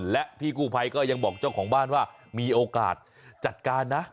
และพี่กู้ภัยก็ยังบอกเจ้าของบ้านว่ามีโอกาสจัดการนะ